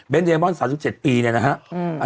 เดมอน๓๗ปีเนี่ยนะฮะ